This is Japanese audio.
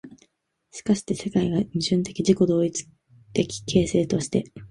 しかして世界が矛盾的自己同一的形成として、